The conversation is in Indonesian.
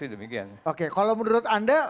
demikian oke kalau menurut anda